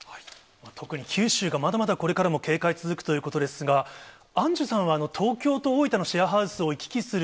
特に九州がまだまだこれからも警戒続くということですが、アンジュさんは東京と大分のシェアハウスを行き来する